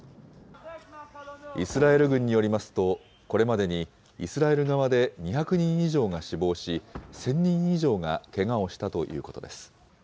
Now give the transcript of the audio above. イスラエル軍によりますと、これまでにイスラエル側で２００人以上が死亡し、１０００人以上がけがをしたということです。